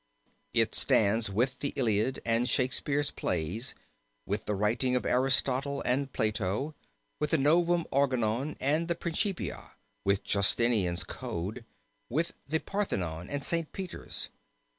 It stands with the Iliad and Shakespeare's Plays, with the writings of Aristotle and Plato, with the Novum Organon and the Principia, with Justinian's Code, with the Parthenon and St. Peter's.